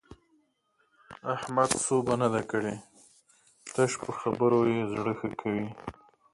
احمد سوبه نه ده کړې؛ تش په خبرو يې زړه ښه کوي.